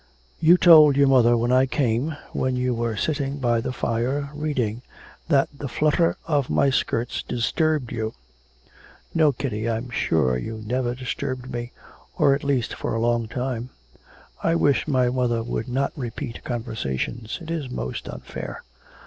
'You told your mother when I came, when you were sitting by the fire reading, that the flutter of my skirts disturbed you.' 'No, Kitty; I'm sure you never disturbed me, or at least for a long time. I wish my mother would not repeat conversations; it is most unfair.'